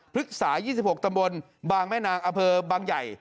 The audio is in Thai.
ฤกษา๒๖ตำบลบางแม่นางอำเภอบางใหญ่